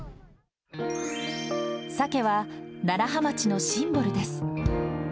サケは、楢葉町のシンボルです。